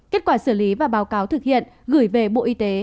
kết quả xử lý và báo cáo thực hiện gửi về bộ y tế